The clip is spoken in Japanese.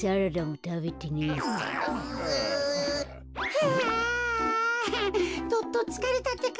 はあどっとつかれたってか。